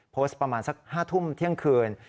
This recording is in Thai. ประมาณสัก๕ทุ่มเที่ยงคืน